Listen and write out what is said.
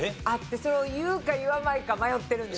それを言うか言わまいか迷ってるんです。